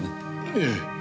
ええ。